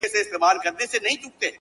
• قتلول به یې مظلوم خلک بېځایه,